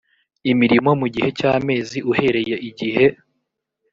imirimo mu gihe cy amezi uhereye igihe